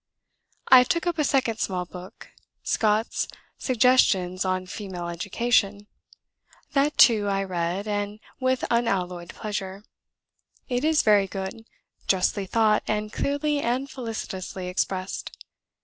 ... I took up a second small book, Scott's 'Suggestions on Female Education;' that, too, I read, and with unalloyed pleasure. It is very good; justly thought, and clearly and felicitously expressed.